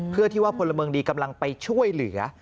เพื่อที่ว่าพลเมืองดีกำลังไปช่วยเหลือ